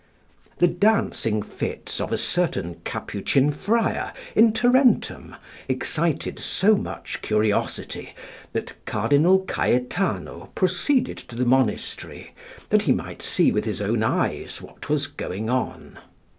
The dancing fits of a certain Capuchin friar in Tarentum excited so much curiosity, that Cardinal Cajetano proceeded to the monastery, that he might see with his own eyes what was going on.